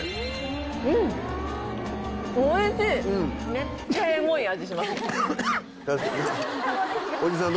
めっちゃエモい味します。